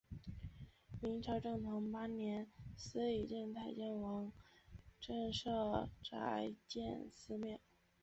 明朝正统八年司礼监太监王振舍宅建私庙。